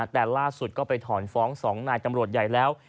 แต่ล่าสุดก็ไปถอนฟ้อง๒นายตำรวจใหญ่แล้ว